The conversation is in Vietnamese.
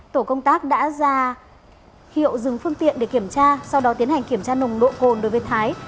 tổ công tác đã ra hiệu dừng phương tiện để kiểm tra sau đó tiến hành kiểm tra nồng độ cồn đối với thái